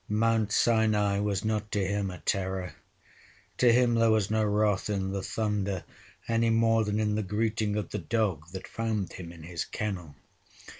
Mount Sinai was not to him a terror. To him there was no wrath in the thunder any more than in the greeting of the dog that found him in his kennel.